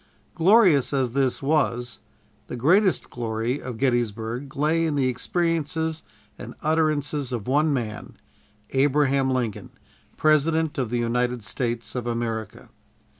Glorious as this was, the greatest glory of Gettysburg lay in the experiences and utterances of one man, Abraham Lincoln, President of the United States of America.